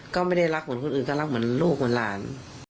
ก็ไม่ได้รักเหมือนคนอื่นก็รักเหมือนลูกเหมือนหลาน